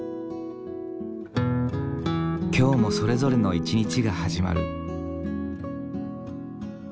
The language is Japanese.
今日もそれぞれの一日が始まる。